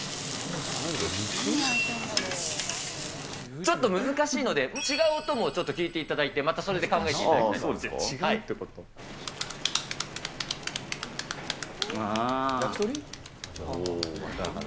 ちょっと難しいので、違う音もちょっと聞いていただいて、またそれで考えていただきたそうですか。